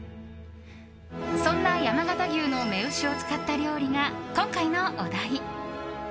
そんな山形牛の雌牛を使った料理が今回のお題。